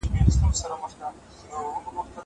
د مؤمنانو ثبات زياتيږي.